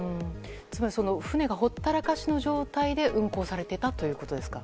つまり船がほったらかしの状態で運航されていたということですか。